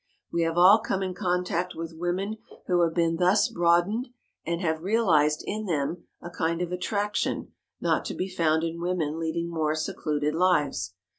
We have all come in contact with women who have been thus broadened and have realized in them a kind of attraction not to be found in women leading more secluded lives.